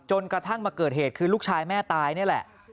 กระทั่งมาเกิดเหตุคือลูกชายแม่ตายนี่แหละ